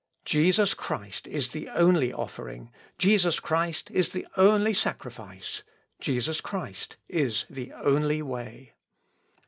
Jesus Christ is the only offering; Jesus Christ is the only sacrifice; Jesus Christ is the only way."